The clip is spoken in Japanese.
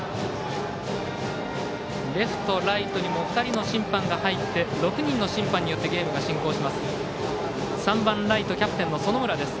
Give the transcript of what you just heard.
レフト、ライトにも２人の審判が入って６人の審判によってゲームが進行します。